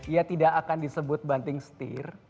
ia tidak akan disebut banting setir